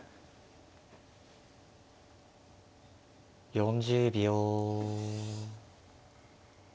４０秒。